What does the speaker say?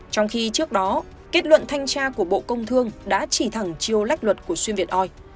trong khi trước đó kết luận thanh tra của bộ công thương đã chỉ thẳng chiêu lách luật của xuyên việt oi